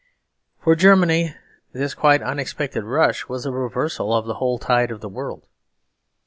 For Germany this quite unexpected rush was a reversal of the whole tide of the world.